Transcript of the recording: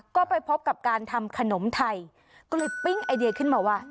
ก็ไปพบกับการทำขนมไทยก็เลยปิ้งไอเดียขึ้นมาว่า